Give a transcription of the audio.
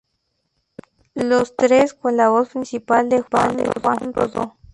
Los tres cuentan con la voz principal de Juan Rodó.